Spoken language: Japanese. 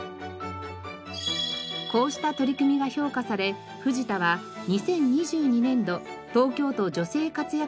こうした取り組みが評価されフジタは２０２２年度東京都女性活躍推進